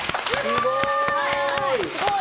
すごい！